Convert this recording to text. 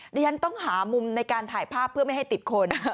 ดิฉันต้องหามุมในการถ่ายภาพเพื่อไม่ให้ติดคน